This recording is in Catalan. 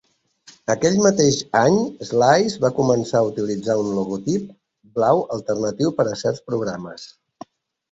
Aquell mateix any, Slice va començar a utilitzar un logotip blau alternatiu per a certs programes.